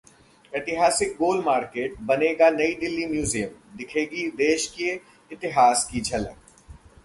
ऐतिहासिक गोल मार्केट बनेगा 'नई दिल्ली म्यूज़ियम', दिखेगी देश के इतिहास की झलक